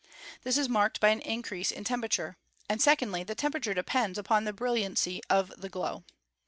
This is marked by an increase in temperature; and secondly, the temperature depends upon the brilliancy of the glow.